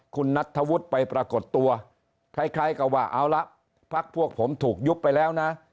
คุณนัทธวุธไปปรากฏตัวใครก็ว่าเอาละพรรคพวกผมถูกยุบไปแล้วนะ